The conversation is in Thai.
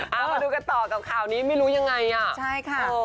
มาดูกันต่อกับข่าวนี้ไม่รู้ยังไง